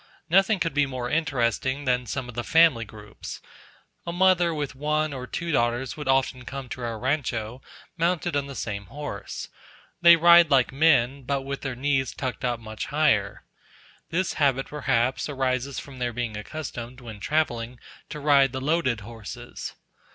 Nothing could be more interesting than some of the family groups. A mother with one or two daughters would often come to our rancho, mounted on the same horse. They ride like men, but with their knees tucked up much higher. This habit, perhaps, arises from their being accustomed, when travelling, to ride the loaded horses.